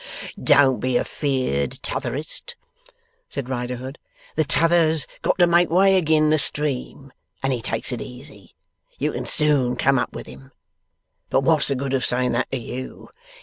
Don't be afeerd, T'otherest,' said Riderhood. 'The T'other's got to make way agin the stream, and he takes it easy. You can soon come up with him. But wot's the good of saying that to you!